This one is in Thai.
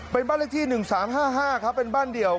เป็นบ้านเลขที่๑๓๕๕ครับเป็นบ้านเดี่ยว